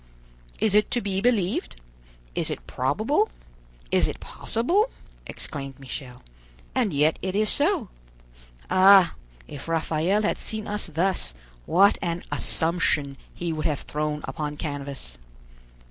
"Is it to be believed? is it probable? is it possible?" exclaimed Michel; "and yet it is so. Ah! if Raphael had seen us thus, what an 'Assumption' he would have thrown upon canvas!"